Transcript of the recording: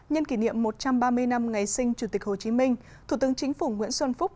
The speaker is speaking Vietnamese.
nhân kỷ niệm một trăm ba mươi năm ngày sinh chủ tịch hồ chí minh thủ tướng chính phủ nguyễn xuân phúc